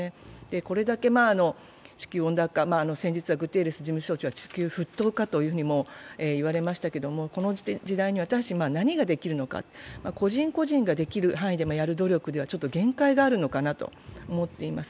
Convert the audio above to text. これだけ地球温暖化、先日、国連のグテーレス事務総長が地球沸騰化ともいわれましたけど、この時代、私たちに何ができるのか、個人個人ができる範囲の努力では限界があるのかなと思っています。